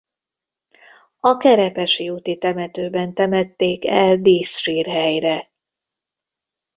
A Kerepesi úti temetőben temették el díszsírhelyre.